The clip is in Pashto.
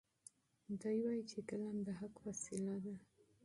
دی وایي چې قلم د حق وسیله ده.